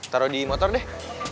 taruh di motor deh